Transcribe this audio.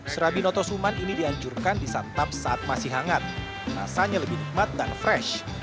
serabi noto suman ini dianjurkan disantap saat masih hangat rasanya lebih nikmat dan fresh